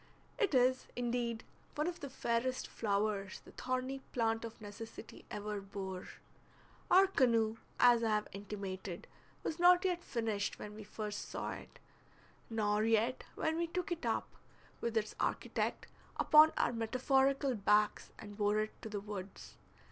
It is, indeed, one of the fairest flowers the thorny plant of necessity ever bore. Our canoe, as I have intimated, was not yet finished when we first saw it, nor yet when we took it up, with its architect, upon our metaphorical backs and bore it to the woods.